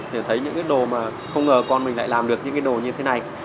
thì thấy những cái đồ mà không ngờ con mình lại làm được những cái đồ như thế này